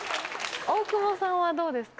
大久保さんはどうですか？